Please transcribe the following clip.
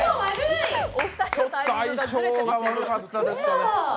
ちょっと相性が悪かったですね。